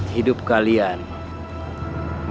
tapi juga karena